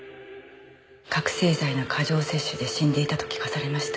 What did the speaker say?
覚醒剤の過剰摂取で死んでいたと聞かされました。